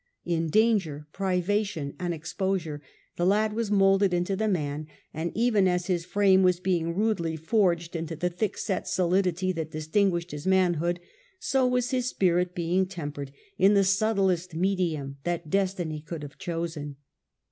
In danger, privation, and exposure, the lad was moulded into the man, and even as his frame was being rudely forged into the thick set solidity that distinguished his manhood, so was his spirit being tempered in the subtlest medium that destiny could have chosen.